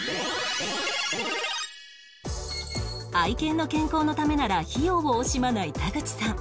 愛犬の健康のためなら費用を惜しまない田口さん